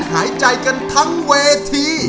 หายใจกันทั้งเวที